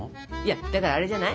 だからあれじゃない？